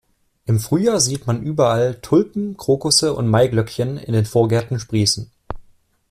Im Frühjahr sieht man überall Tulpen, Krokusse und Maiglöckchen in den Vorgärten sprießen.